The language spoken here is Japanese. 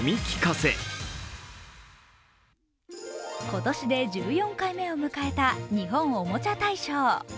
今年で１４回目を迎えた日本おもちゃ大賞。